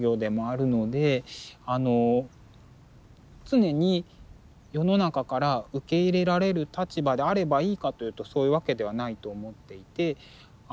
常に世の中から受け入れられる立場であればいいかというとそういうわけではないと思っていて。